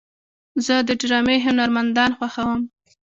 زه د ډرامې هنرمندان خوښوم.